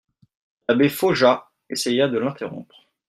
L'abbé Faujas essaya de l'interrompre.